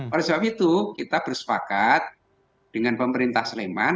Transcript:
oleh sebab itu kita bersepakat dengan pemerintah sleman